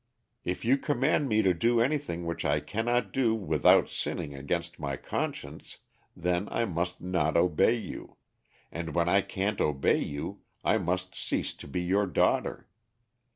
If you command me to do anything which I cannot do without sinning against my conscience, then I must not obey you, and when I can't obey you I must cease to be your daughter.